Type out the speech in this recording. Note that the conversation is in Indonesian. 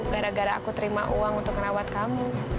gara gara aku terima uang untuk merawat kamu